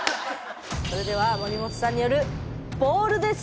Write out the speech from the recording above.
それでは森本さんによる「ボール」です！